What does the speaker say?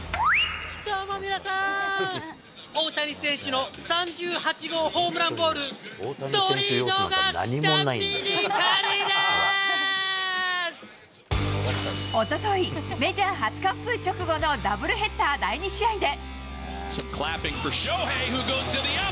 どうも、皆さん、大谷選手の３８号ホームランボール、おととい、メジャー初完封直後のダブルヘッダー第２試合で。